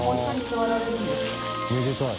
めでたい。